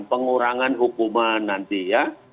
pengurangan hukuman nanti ya